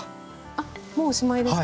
あっもうおしまいですか？